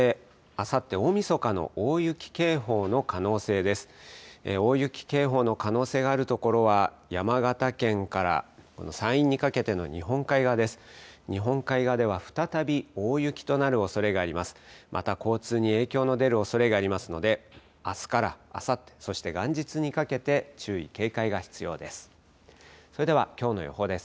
また交通に影響の出るおそれがありますので、あすからあさって、そして元日にかけて注意、警戒が必要です。